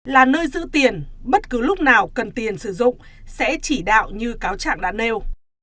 là nơi giữ tiền bất cứ lúc nào cần tiền sử dụng sẽ chỉ đạo như cáo trạng đã nêu